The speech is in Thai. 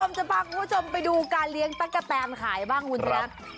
ผมจะพาคุณผู้ชมไปดูการเลี้ยงตั๊กกะแตนขายบ้างคุณชนะ